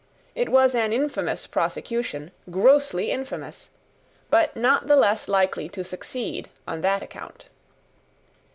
It was an infamous prosecution, grossly infamous; but not the less likely to succeed on that account."